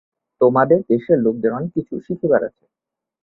তোমাদের দেশের লোকেদের অনেক কিছু শিখিবার আছে।